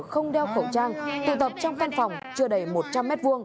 không đeo khẩu trang tụ tập trong căn phòng chưa đầy một trăm linh m hai